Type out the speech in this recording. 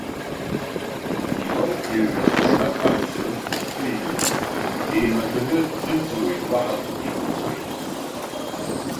Билалгьы жәаха ҽнак аҳәса рыӡбахә цәыриган, еимаҭәаны дзымҵәуеит, уаҳа акгьы игымхеит.